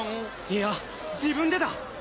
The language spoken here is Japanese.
いや自分でだ。